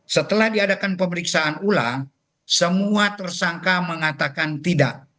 setelah diadakan pemeriksaan ulang semua tersangka mengatakan tidak